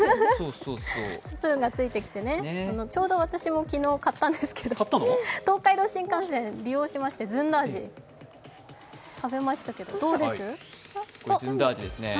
スプーンがついてきてね、ちょうど私、昨日買ったんですけど東海道新幹線利用しまして、ずんだ味、食べましたけど、どうです？